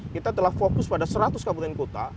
kita telah fokus pada seratus kabupaten kota